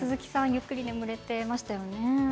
ゆっくり眠れていましたね。